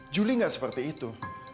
juli nggak seperti itu